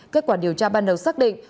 kết quả điều tra ban đầu xác định